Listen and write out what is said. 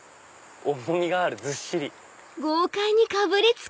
重みがあるずっしり。